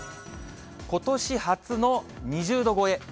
ことし初の２０度超え。